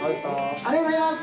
ありがとうございます！